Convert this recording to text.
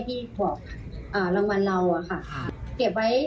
ที่บอกลางวัลเราค่ะ